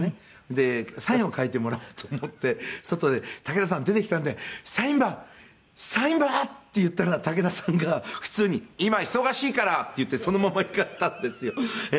「でサインを書いてもらおうと思って外で武田さん出てきたんで“サインばサインば！”って言ったら武田さんが普通に“今忙しいから”って言ってそのまま行かれたんですよ」